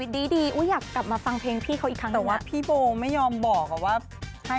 ไม่มีไม่มีที่เซ็นอย่างอื่นค่ะ